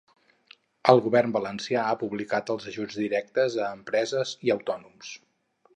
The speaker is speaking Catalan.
El govern valencià ha publicat els ajuts directes a empreses i autònoms.